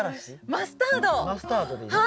マスタードでいいの？